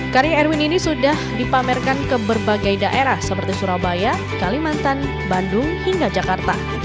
karya erwin ini sudah dipamerkan ke berbagai daerah seperti surabaya kalimantan bandung hingga jakarta